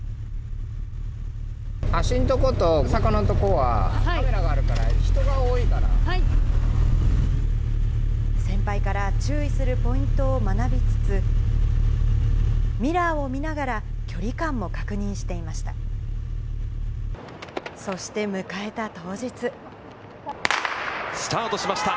橋のとこと、坂のとこは、先輩から注意するポイントを学びつつ、ミラーを見ながら、距離感も確認していました。